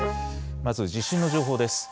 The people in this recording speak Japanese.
まず地震の情報です。